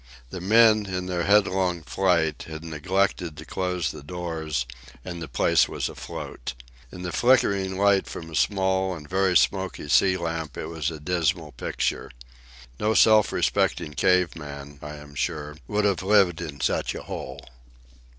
The men, in their headlong flight, had neglected to close the doors, and the place was afloat. In the flickering light from a small and very smoky sea lamp it was a dismal picture. No self respecting cave man, I am sure, would have lived in such a hole.